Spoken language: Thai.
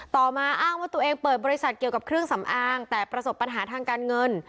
ต่อมาอ้างว่าตัวเองเปิดบริษัทเกี่ยวกับเครื่องสำอางแต่ประสบปัญหาทางการเงิน